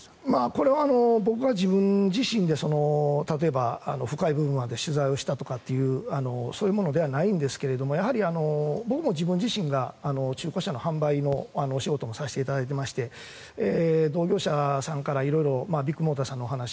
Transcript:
これは僕が自分自身で例えば、深い部分まで取材をしたとかというそういうものではないんですが僕も自分自身が中古車の販売のお仕事もさせていただいておりまして同業者さんから色んなビッグモーターさんのお話